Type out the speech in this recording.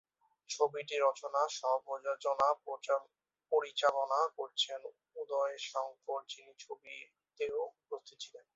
ছবিটি রচনা, সহ-প্রযোজনা, পরিচালনা করেছিলেন উদয় শঙ্কর, যিনি ছবিতেও উপস্থিত ছিলেন।